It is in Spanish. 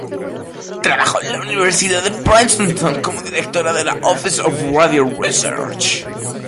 Trabajó en la Universidad de Princeton como director de la Office of Radio Research.